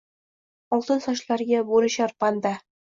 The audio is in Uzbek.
Oltin sochlariga bo’lishar banda.